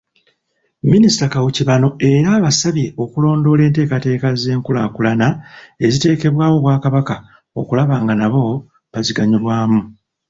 Minisita Kawuki bano era abasabye okulondoola enteekateeka z'enkulaakulana eziteekebwawo Obwakabaka okulaba nga nabo baziganyulwamu.